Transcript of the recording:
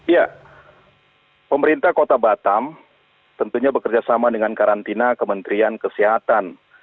ya pemerintah kota batam tentunya bekerjasama dengan karantina kementerian kesehatan